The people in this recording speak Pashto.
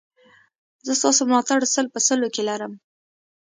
زه ستاسو ملاتړ سل په سلو کې لرم